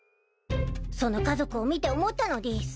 その家族を見て思ったのでぃす。